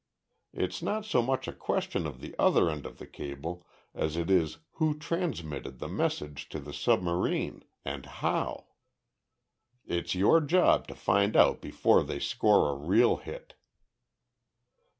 It's not so much a question of the other end of the cable as it is who transmitted the message to the submarine and how! "It's your job to find out before they score a real hit."